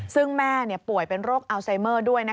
ซึ่งแม่ป่วยเป็นโรคอัลไซเมอร์ด้วย